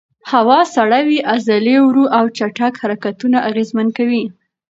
هوا سړه وي، عضلې ورو او چټک حرکتونه اغېزمن کوي.